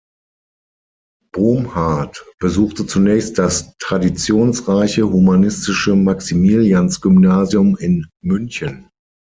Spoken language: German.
Bomhard besuchte zunächst das traditionsreiche humanistische Maximiliansgymnasium in München.